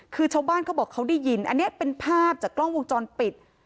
คือชาวบ้านเขาบอกเขาได้ยินอันนี้เป็นภาพจากกล้องวงจรปิด